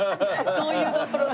そういうところで。